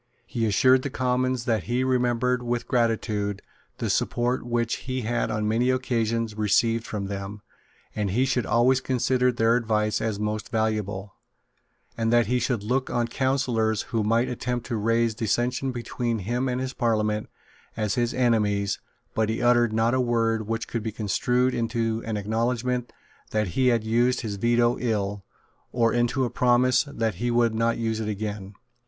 He assured the Commons that he remembered with gratitude the support which he had on many occasions received from them, that he should always consider their advice as most valuable, and that he should look on counsellors who might attempt to raise dissension between him and his Parliament as his enemies but he uttered not a word which could be construed into an acknowledgment that he had used his Veto ill, or into a promise that he would not use it again.